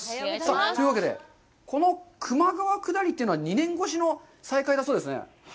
というわけで、この球磨川くだりというのは２年越しの再開だそうですね。